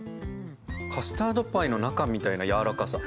カスタードパイの中みたいなやわらかさ。